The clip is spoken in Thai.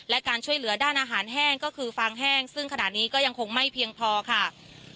และการช่วยเหลือด้านอาหารแห้งก็คือฟางแห้งซึ่งขณะนี้ก็ยังคงไม่เพียงพอค่ะ